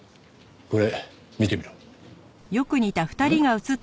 これ見てみろ。